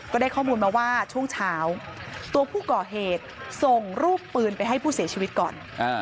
ได้ข้อมูลมาว่าช่วงเช้าตัวผู้ก่อเหตุส่งรูปปืนไปให้ผู้เสียชีวิตก่อน